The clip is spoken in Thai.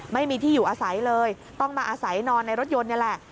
ไม่มีที่อยู่อาศัยเลยต้องมาอาศัยนอนในรถยนต์นี่แหละ